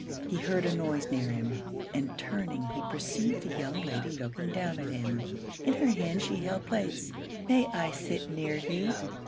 He heard a noise near him, and turning, he perceived the young lady looking down at him. In her hand she held plates. "May I sit near you?"